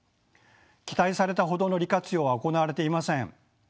期待されたほどの利活用は行われていません。